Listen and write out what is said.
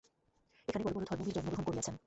এখানেই বড় বড় ধর্মবীর জন্মগ্রহণ করিয়াছেন।